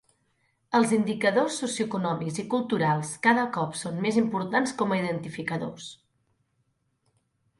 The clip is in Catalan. Els indicadores socioeconòmics i culturals cada cop són més importants com a identificadors.